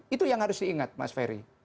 itu yang harus diingat mas ferry